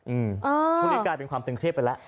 อืมช่วงนี้กลายเป็นความตึงเครียดไปแล้ว